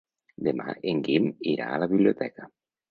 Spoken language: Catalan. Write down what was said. Demà en Guim irà a la biblioteca.